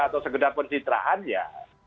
atau sekedar pencitraan ya